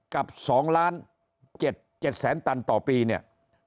กับ๒๗แสนตันต่อปีเนี่ย